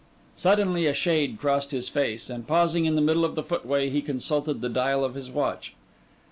Suddenly a shade crossed his face; and pausing in the middle of the footway, he consulted the dial of his watch.